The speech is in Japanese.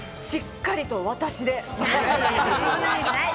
しっかりと私で。